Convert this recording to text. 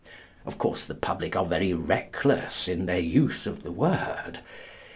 Of course, the public are very reckless in their use of the word.